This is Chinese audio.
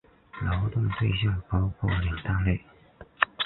劳动对象包括两大类。